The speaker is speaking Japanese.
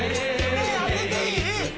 目開けていい？